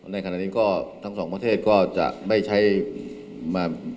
ในขณะนี้ก็ทั้งสองประเทศก็จะไม่ใช้มา